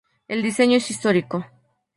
El diseño es histórico.